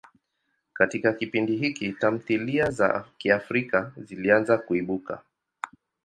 Katika kipindi hiki, tamthilia za Kiafrika zilianza kuibuka.